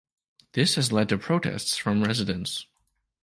This has led to protests from residents.